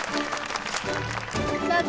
どうぞ。